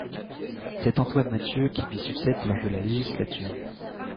C'est Antoine Mathieu qui lui succède lors de la législature.